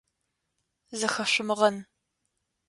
Зыхэшъумгъэн.